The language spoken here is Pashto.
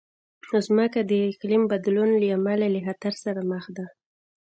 مځکه د اقلیم بدلون له امله له خطر سره مخ ده.